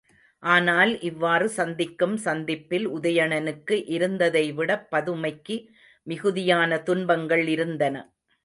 ஆனால் இவ்வாறு சந்திக்கும் சந்திப்பில் உதயணனுக்கு இருந்ததைவிடப் பதுமைக்கு மிகுதியான துன்பங்கள் இருந்தன.